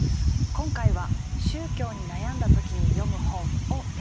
今回は「宗教に悩んだ時に読む本」をテーマに進めていきたいと思います。